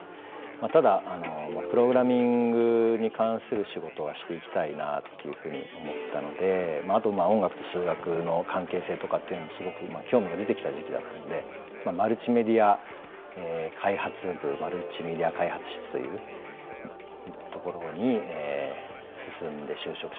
ただプログラミングに関する仕事はしていきたいなっていうふうに思ったのであと音楽と数学の関係性とかっていうのもすごく興味が出てきた時期だったのでマルチメディア開発部マルチメディア開発室というところに進んで就職しました。